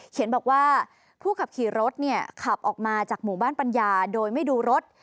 บอกว่าผู้ขับขี่รถขับออกมาจากหมู่บ้านปัญญาโดยไม่ดูรถ